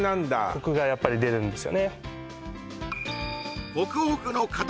コクがやっぱり出るんですよね